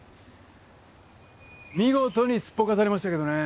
見事にすっぽかされましたけどね。